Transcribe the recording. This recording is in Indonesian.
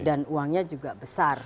dan uangnya juga besar